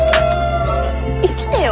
生きてよ